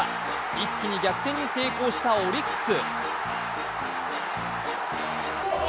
一気に逆転に成功したオリックス。